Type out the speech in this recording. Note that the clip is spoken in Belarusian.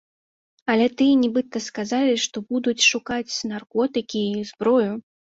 Але тыя нібыта сказалі, што будуць шукаць наркотыкі і зброю.